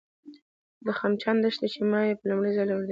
د خمچان دښته، چې ما یې په لومړي ځل نوم اورېدی دی